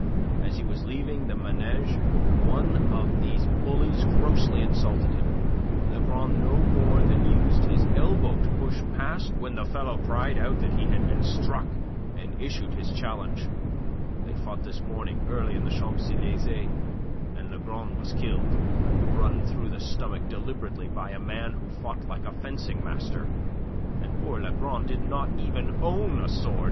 As he was leaving the Manege one of these bullies grossly insulted him. Lagron no more than used his elbow to push past when the fellow cried out that he had been struck, and issued his challenge. They fought this morning early in the Champs Elysees, and Lagron was killed, run through the stomach deliberately by a man who fought like a fencing master, and poor Lagron did not even own a sword.